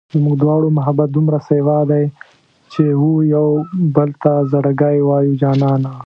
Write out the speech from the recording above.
زموږ دواړو محبت دومره سېوا دی چې و يوبل ته زړګی وایو جانانه